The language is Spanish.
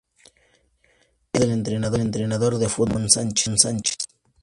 Es hijo del entrenador de fútbol Ramón Sánchez.